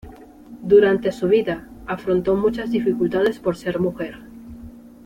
Durante su vida, afrontó muchas dificultades por ser mujer.